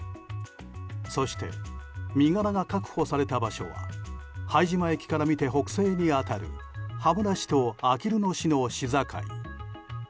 そして身柄が確保された場所は拝島駅から見て北西に当たる羽村市とあきる野市の市境。